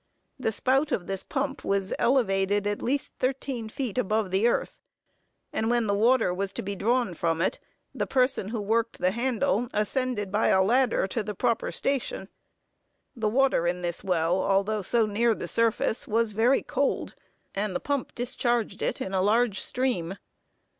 The spout of this pump was elevated at least thirteen feet above the earth, and when the water was to be drawn from it, the person who worked the handle ascended by a ladder to the proper station. The water in this well, although so near the surface, was very cold; and the pump discharged it in a large stream.